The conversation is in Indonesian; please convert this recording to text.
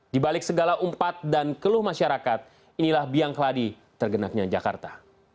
di balik segala umpat dan keluh masyarakat inilah biang keladi tergenaknya jakarta